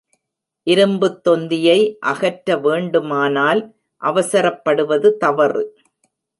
இரும்புத் தொந்தியை அகற்ற வேண்டுமானால் அவசரப்படுவது தவறு.